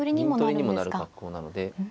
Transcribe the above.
銀取りにもなる格好なので。